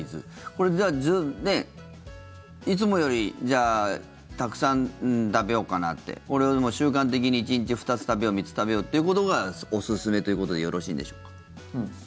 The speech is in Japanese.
これ、いつもよりたくさん食べようかなってこれを習慣的に１日２つ食べよう３つ食べようということがおすすめということでよろしいんでしょうか？